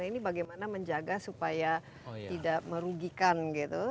ini bagaimana menjaga supaya tidak merugikan gitu